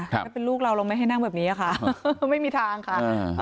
ถ้าเป็นลูกเราเราไม่ให้นั่งแบบนี้ค่ะไม่มีทางค่ะ